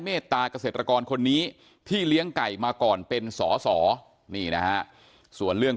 เมตตาเกษตรกรคนนี้ที่เลี้ยงไก่มาก่อนเป็นสอสอนี่นะฮะส่วนเรื่อง